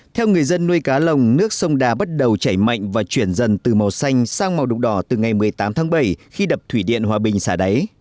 theo người dân nuôi cá lồng nước sông đà bắt đầu chảy mạnh và chuyển dần từ màu xanh sang màu đục đỏ từ ngày một mươi tám tháng bảy khi đập thủy điện hòa bình xả đáy